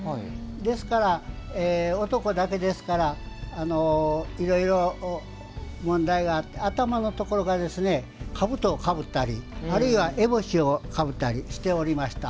ですから、男だけですからいろいろ、問題があって頭のところがかぶとをかぶったりあるいは、えぼしをかぶったりしておりました。